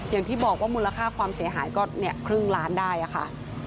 อย่างที่บอกว่ามูลค่าความเสียหายก็ครึ่งล้านได้ค่ะ